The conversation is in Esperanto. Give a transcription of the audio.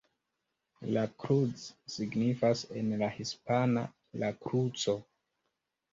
La Cruz signifas en la hispana "La Kruco".